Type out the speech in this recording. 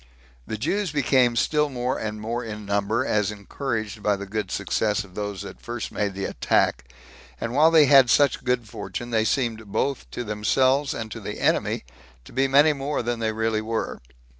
The Jews became still more and more in number, as encouraged by the good success of those that first made the attack; and while they had such good fortune, they seemed both to themselves and to the enemy to be many more than they really were.